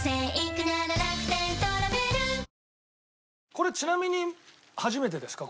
これちなみに初めてですか？